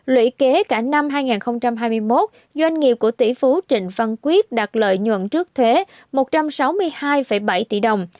lũy kế cả năm hai nghìn hai mươi một doanh nghiệp của tỷ phú trịnh văn quyết đạt lợi nhuận trước thuế một trăm sáu mươi hai bảy tỷ đồng